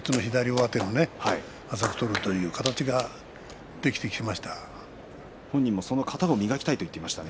上手を浅く取るという形ができてきましたから。